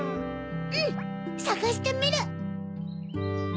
うんさがしてみる！